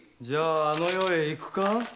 じゃああの世へ行くか？